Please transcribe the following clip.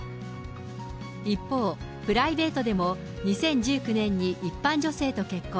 一方、プライベートでも、２０１９年に一般女性と結婚。